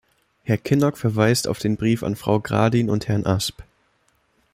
Herr Kinnock verweist auf den Brief an Frau Gradin und Herrn Asp.